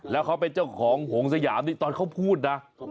แล้วเขาเป็นเจ้าของหงสยามนี่ตอนเขาพูดนะ